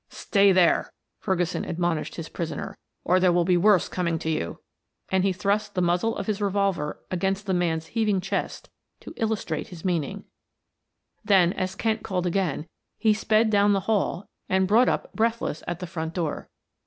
"Stay there," Ferguson admonished his prisoner. "Or there will be worse coming to you," and he thrust the muzzle of his revolver against the man's heaving chest to illustrate his meaning; then as Kent called again, he sped down the hall and brought up breathless at the front door.